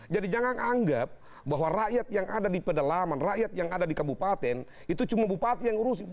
jadi jangan anggap bahwa rakyat yang ada di pedalaman rakyat yang ada di kabupaten itu cuma bupati yang urusin